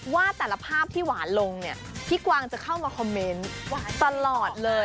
ว่าแต่ละภาพที่หวานลงเนี่ยพี่กวางจะเข้ามาคอมเมนต์ตลอดเลย